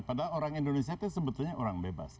padahal orang indonesia itu sebetulnya orang bebas